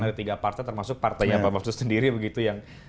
ada tiga partai termasuk partainya pak mahfud sendiri begitu yang